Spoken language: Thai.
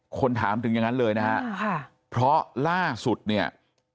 คนถามถึงอย่างนั้นเลยนะฮะเพราะล่าสุดเนี่ย